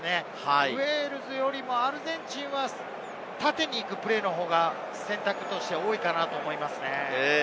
ウェールズよりもアルゼンチンは縦に行くプレーの方が選択としては多いかなと思います。